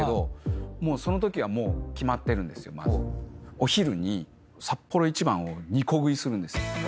お昼にサッポロ一番を２個食いするんです。